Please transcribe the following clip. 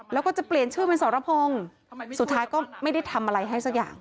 แล้วก็จะเปลี่ยนชื่อเป็นสรพงศ์สุดท้ายก็ไม่ได้ทำอะไรให้สักอย่าง